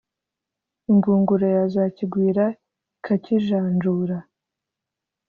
Ingunguru yazakigwira, ikakijanjura